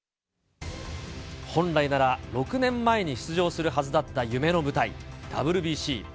本来なら、６年前に出場するはずだった夢の舞台、ＷＢＣ。